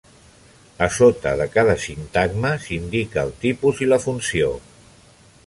A sota de cada sintagma s'indica el tipus i la funció.